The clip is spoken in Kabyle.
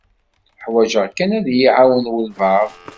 Uḥwaǧeɣ kan ad yi-iɛawen walebɛaḍ.